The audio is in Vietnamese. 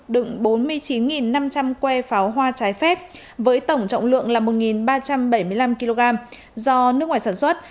đựng bốn mươi chín năm trăm linh que pháo hoa trái phép với tổng trọng lượng là một ba trăm bảy mươi năm kg do nước ngoài sản xuất